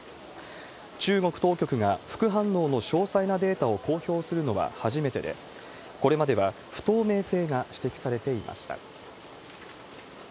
中国当局が副反応の詳細なデータを公表するのは初めてで、これまでは不透明性が指摘されていました。